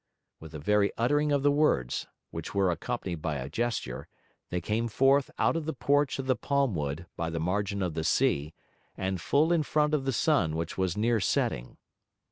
With the very uttering of the words, which were accompanied by a gesture, they came forth out of the porch of the palm wood by the margin of the sea and full in front of the sun which was near setting.